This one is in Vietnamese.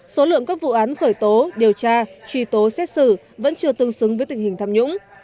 số lượng các vụ án khởi tố điều tra truy tố xét xử vẫn chưa tương xứng với tình hình tham nhũng